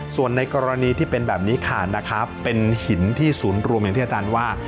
ส่วนในกรณีที่เป็นแบบนี้ค่ะนะครับเป็นหินที่ศูนย์รวมอย่างที่อาจารย์ว่า